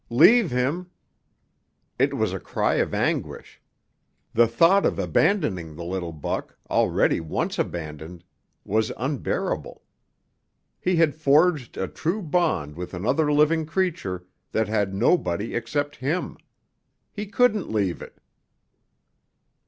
"Leave him?" It was a cry of anguish. The thought of abandoning the little buck, already once abandoned, was unbearable. He had forged a true bond with another living creature that had nobody except him. He couldn't leave it.